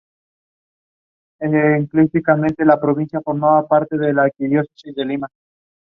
It was her first single to be released in that year.